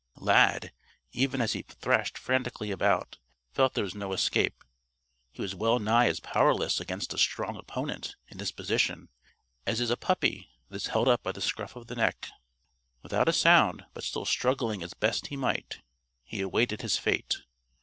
Lad, even as he thrashed frantically about, felt there was no escape. He was well nigh as powerless against a strong opponent in this position as is a puppy that is held up by the scruff of the neck. Without a sound, but still struggling as best he might, he awaited his fate.